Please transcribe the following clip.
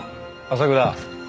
朝倉。